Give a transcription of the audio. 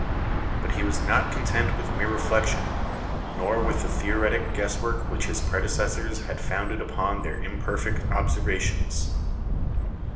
But he was not content with mere reflection, nor with the theoretic guesswork which his predecessors had founded upon their imperfect observations.